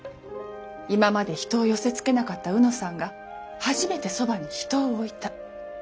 今まで人を寄せ付けなかった卯之さんが初めてそばに人を置いた。